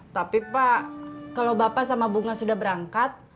tapi pak kalau bapak sama bunga sudah berangkat